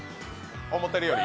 思ってるより。